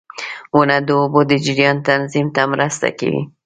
• ونه د اوبو د جریان تنظیم ته مرسته کوي.